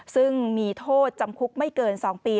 ซึ่งมีโทษจำคุกไม่เกิน๒ปี